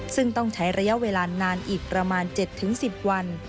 ซึ่งต้องใช้ระยะเวลานานอีกประมาณ๗๑๐วัน